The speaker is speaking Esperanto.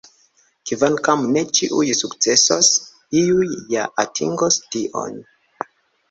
Kvankam ne ĉiuj sukcesos, iuj ja atingos tion.